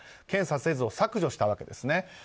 「検査せず」を削除したわけですね。